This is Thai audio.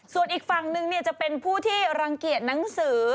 ส่วนอีกฝั่งนึงจะเป็นผู้ที่รังเกียจหนังสือ